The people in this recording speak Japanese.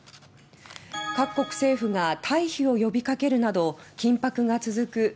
各国政府が退避を呼び掛けるなど緊迫が続く